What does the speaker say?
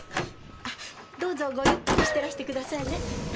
あっどうぞごゆっくりしてらしてくださいね。